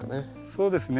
そうですね。